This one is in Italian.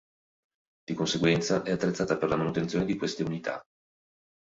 Di conseguenza, è attrezzata per la manutenzione di queste unità.